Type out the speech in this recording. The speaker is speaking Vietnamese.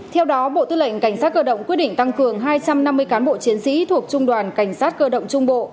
theo đó bộ tư lệnh cảnh sát cơ động quyết định tăng cường hai trăm năm mươi cán bộ chiến sĩ thuộc trung đoàn cảnh sát cơ động trung bộ